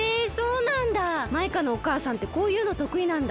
マイカのおかあさんってこういうのとくいなんだ。